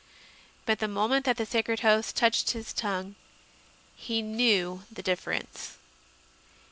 But the moment that the Sacred Host touched his tongue he knew the difference.